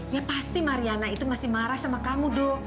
ya pasti mariana itu masih marah sama kamu dong